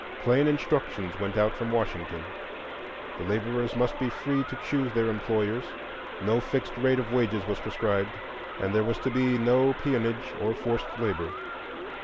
Plain instructions went out from Washington: the laborers must be free to choose their employers, no fixed rate of wages was prescribed, and there was to be no peonage or forced labor.